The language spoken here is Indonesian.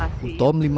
yang ada di lokasi